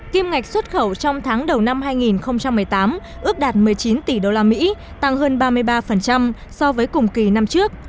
kim ngạch xuất khẩu trong tháng đầu năm hai nghìn một mươi tám ước đạt một mươi chín tỷ usd tăng hơn ba mươi ba so với cùng kỳ năm trước